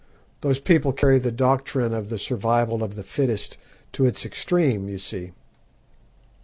Those people carry the doctrine of the survival of the fittest to its extreme, you see.